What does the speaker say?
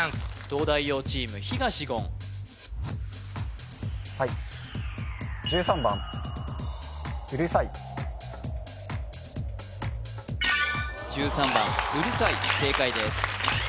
東大王チーム東言はい１３番うるさい正解です